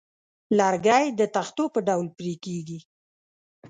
لرګی د تختو په ډول پرې کېږي.